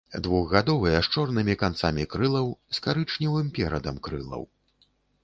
Двухгадовыя з чорнымі канцамі крылаў, з карычневым перадам крылаў.